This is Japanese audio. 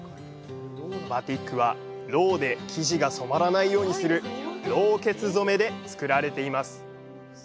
バティックはろうで生地が染まらないようにするろうけつ染めで作られています。